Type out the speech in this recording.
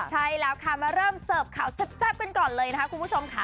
ใช่แล้วค่ะมาเริ่มเสิร์ฟข่าวแซ่บกันก่อนเลยนะคะคุณผู้ชมค่ะ